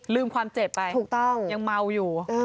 ลืมความเจ็บไปยังเมาอยู่ถูกต้อง